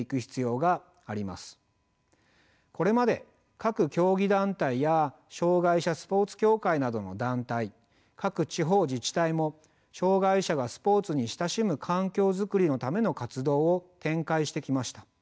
これまで各競技団体や障害者スポーツ協会などの団体各地方自治体も障害者がスポーツに親しむ環境づくりのための活動を展開してきました。